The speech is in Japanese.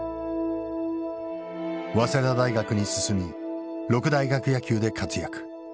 早稲田大学に進み六大学野球で活躍。